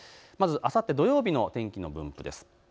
あさって土曜日の天気の分布です。